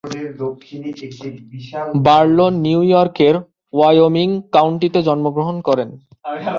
বারলো New ইয়র্কের Wyoming কাউন্টিতে জন্মগ্রহণ করেন।